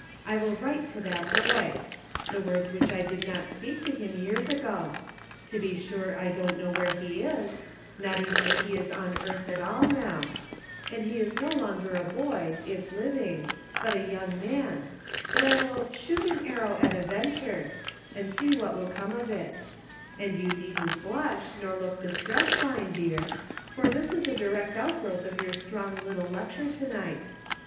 I will write to that boy; the words which I did not speak to him A "PROVIDENCE." 269 years ago ; to be sure I don't know where he is, not even if he is on earth at all, now ; and he is no longer a boy, if living, but a young man, but I will 'shoot an arrow at a venture,' and see what will come of it ; and you needn't blush, nor look distressed. Vine dear, for this is a direct outgrowth of your strong little lecture to night.